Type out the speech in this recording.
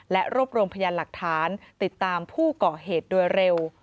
และรวบรวมพยานหลักฐานติดตามผู้ก่อเหตุโดยเร็ว